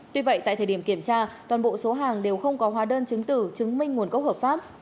tuy vậy tại thời điểm kiểm tra toàn bộ số hàng đều không có hóa đơn chứng tử chứng minh nguồn gốc hợp pháp